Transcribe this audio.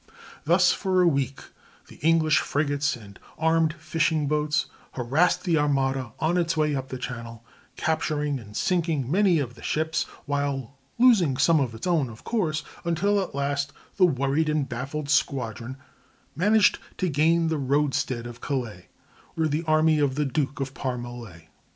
Thus for a week the English frigates and armed fishing boats harassed the Armada on its way up the Channel, capturing and sinking many of the ships, while losing some of its own, of course, until at last the worried and baffled squadron managed to gain the roadstead of Calais, where the army of the Duke of Parma lay.